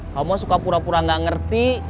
kamu suka pura pura gak ngerti